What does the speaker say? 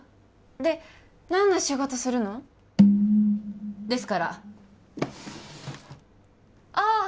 で何の仕事するの？ですからああ！